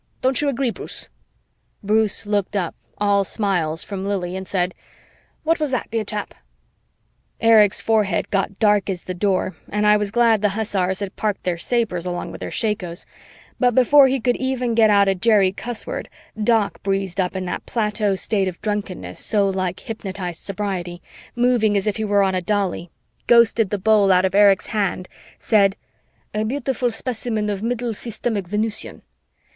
Don't you agree, Bruce?" Bruce looked up, all smiles from Lili, and said, "What was that, dear chap?" Erich's forehead got dark as the Door and I was glad the hussars had parked their sabers along with their shakos, but before he could even get out a Jerry cussword, Doc breezed up in that plateau state of drunkenness so like hypnotized sobriety, moving as if he were on a dolly, ghosted the bowl out of Erich's hand, said, "A beautiful specimen of Middle Systemic Venusian.